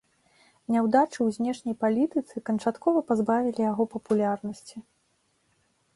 Няўдачы ў знешняй палітыцы канчаткова пазбавілі яго папулярнасці.